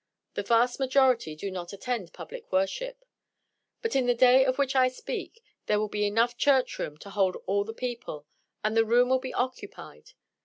The vast majority do not attend public worship. But in the day of which I speak there will be enough church room to hold all the people, and the room will be occupied.